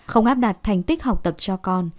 không áp đặt thành tích học tập cho con